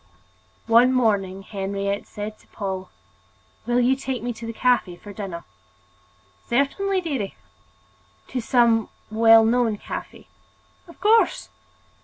One morning Henriette said to Paul: "Will you take me to a cafe for dinner?" "Certainly, dearie." "To some well known cafe?" "Of course!"